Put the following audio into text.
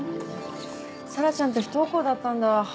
紗良ちゃんって不登校だったんだ。